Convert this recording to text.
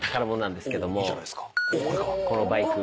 このバイク。